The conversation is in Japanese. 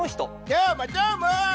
どーも、どーも！